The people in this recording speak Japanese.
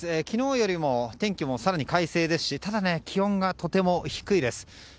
昨日よりも天気も更に快晴ですしただ、気温がとても低いです。